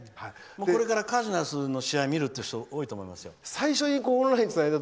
これからカージナルスの試合を見るという人も多いと思いますよ。